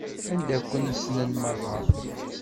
Anda aken i k-snen meṛṛa.